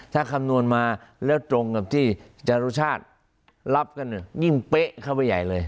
ถ้าคำนวณมาแล้วตรงกับที่จรุชาติรับกันยิ่งเป๊ะเข้าไปใหญ่เลย